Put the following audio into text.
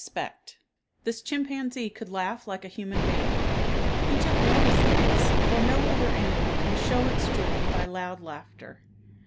Specht. This chimpanzee could laugh like a human being. He took notice of this, for no other animal can show its joy by loud laughter.